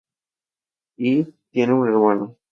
Y, tiene un hermano.